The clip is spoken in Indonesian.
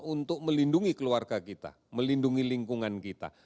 untuk melindungi keluarga kita melindungi lingkungan kita